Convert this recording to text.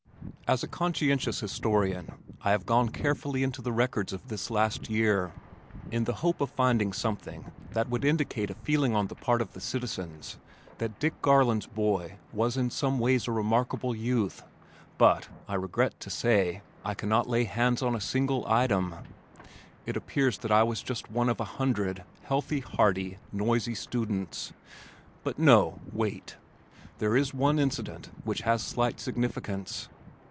As a conscientious historian I have gone carefully into the records of this last year, in the hope of finding something that would indicate a feeling on the part of the citizens that Dick Garland's boy was in some ways a remarkable youth, but (I regret to say) I cannot lay hands on a single item. It appears that I was just one of a hundred healthy, hearty, noisy students but no, wait! There is one incident which has slight significance.